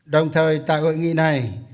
đồng thời tại ội nghị này